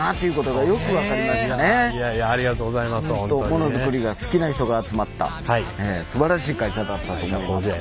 モノづくりが好きな人が集まったすばらしい会社だったと思います。